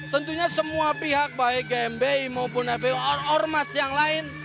tentunya semua pihak baik gmbi maupun fpu ormas yang lain